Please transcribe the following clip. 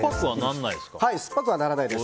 酸っぱくはならないです。